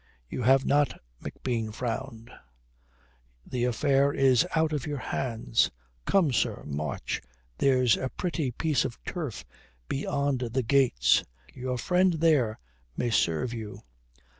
"You have not," McBean frowned. "The affair is out of your hands. Come, sir, march. There's a pretty piece of turf beyond the gates. Your friend there may serve you."